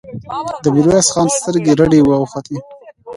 د ميرويس خان سترګې رډې راوختې.